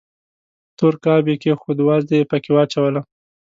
تور قاب یې کېښود، وازده یې پکې واچوله.